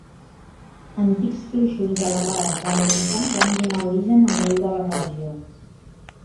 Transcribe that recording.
Antics fluixos de lava basàltica van donar origen a molt de la regió.